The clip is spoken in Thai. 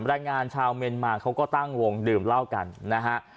แรงงานชาวเมียนมาเขาก็ตั้งวงดื่มเหล้ากันนะฮะ